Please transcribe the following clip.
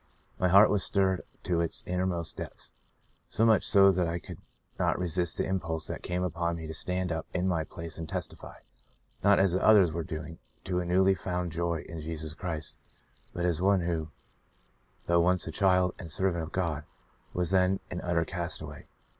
My heart was stirred to its innermost depths, so much so that I could not resist the impulse that came upon me to stand up in my place and testify — not as the others were doing, to a newly found joy in Jesus Christ, but as one who, though once a child and servant of God, was then an utter castaway.